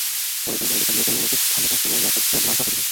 পরের দিন বেলা দেড়টার দিকে স্থানীয় লোকজন খালে তাসলিমার লাশ ভাসতে দেখে।